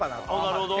なるほど。